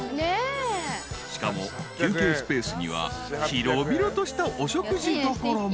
［しかも休憩スペースには広々とした］